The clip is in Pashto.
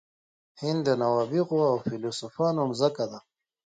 هند د نوابغو او فیلسوفانو مځکه ده.